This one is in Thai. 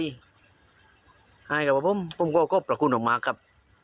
ที่กลับว่าผมก็ปราคุณมากครับ